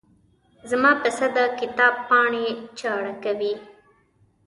زما پسه د کتاب پاڼې چاړه کوي.